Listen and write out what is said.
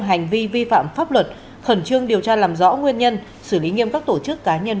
hành vi vi phạm pháp luật khẩn trương điều tra làm rõ nguyên nhân xử lý nghiêm các tổ chức cá nhân